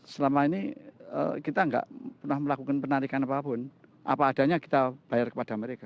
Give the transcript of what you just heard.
selama ini kita tidak pernah melakukan penarikan apapun apa adanya kita bayar kepada mereka